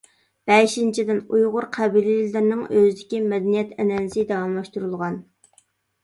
بەشىنچىدىن، ئۇيغۇر قەبىلىلىرىنىڭ ئۆزىدىكى مەدەنىيەت ئەنئەنىسى داۋاملاشتۇرۇلغان.